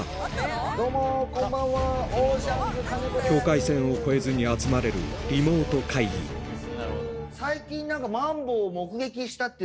境界線を越えずに集まれるリモート会議おっ！